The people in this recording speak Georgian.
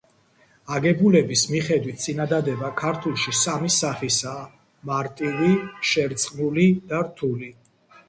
აგებულების მიხედვით წინადადება ქართულში სამი სახისაა: მარტივი, შერწყმული და რთული.